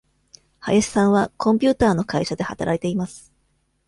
林さんはコンピューターの会社で働いています。